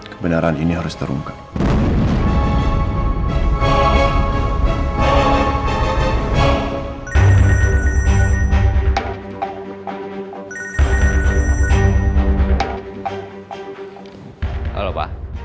kebenaran ini harus terungkap